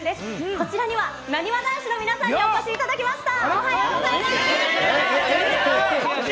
こちらには、なにわ男子の皆さんにお越しいただきました。